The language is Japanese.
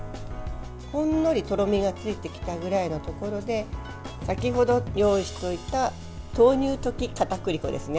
ほんのりとろみがついてきたぐらいのところで先程、用意しておいた豆乳溶きかたくり粉ですね。